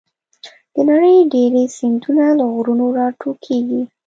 د نړۍ ډېری سیندونه له غرونو راټوکېږي.